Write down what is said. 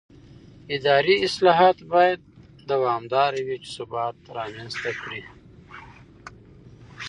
اداري اصلاحات باید دوامداره وي چې ثبات رامنځته کړي